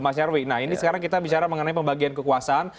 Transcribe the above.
mas nyarwi nah ini sekarang kita bicara mengenai pembagian kekuasaan